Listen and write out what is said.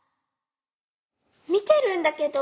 みてるんだけど。